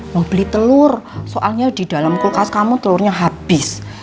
mau beli telur soalnya di dalam kulkas kamu telurnya habis